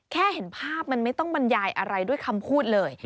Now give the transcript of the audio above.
เห็นภาพมันไม่ต้องบรรยายอะไรด้วยคำพูดเลย